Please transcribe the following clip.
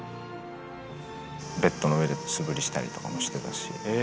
ベッドの上でも素振りしたりしてたし。